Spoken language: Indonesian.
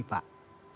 jadi sekali air besar